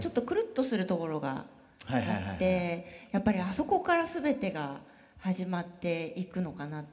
やっぱりあそこから全てが始まっていくのかなって。